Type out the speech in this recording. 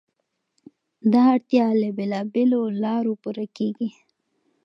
دا اړتیا له بېلابېلو لارو پوره کېږي.